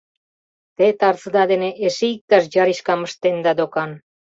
Те тарзыда дене эше иктаж яришкам ыштенда докан?